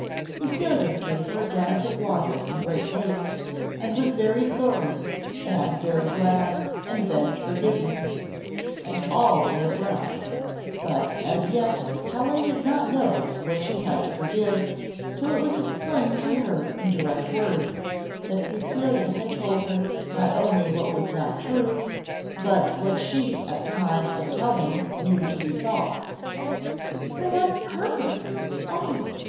Cecilia gave her a glass of water in great haste, and was very sorry, and very glad, and begged forgiveness, and all in a breath: but as yet Helen did not know what she had to forgive, till it was explained to her in direct words, that Cecilia had told her not only what was not true, but what she at the time of telling knew to be false. "For what purpose, oh!